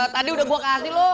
tadi udah gue kasih loh